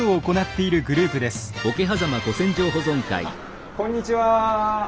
あっこんにちは。